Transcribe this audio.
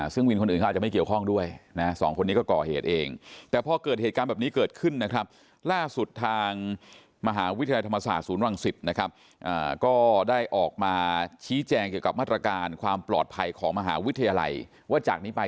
ซึ่งวินคนอื่นเขาก็อาจจะไม่เกี่ยวข้องด้วย